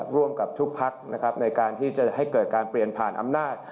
ร่วมกับทุกพักนะครับในการที่จะให้เกิดการเปลี่ยนผ่านอำนาจ